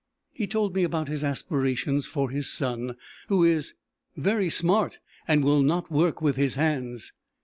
He told me about his aspirations for his son, who is "very smart and will not work with his hands."